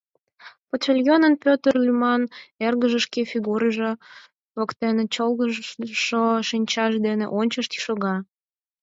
Почтальонын Пӧтыр лӱман эргыже шке фигуржо воктене чолгыжшо шинчаж дене ончышт шога.